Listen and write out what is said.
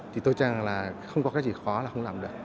thì tôi chẳng là không có cái gì khó là không làm được